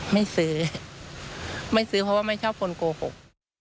ไม่ซื้อไม่ซื้อเพราะว่าไม่ชอบคนโกหก